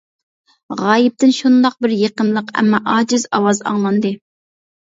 غايىبتىن شۇنداق بىر يېقىملىق، ئەمما ئاجىز ئاۋاز ئاڭلاندى.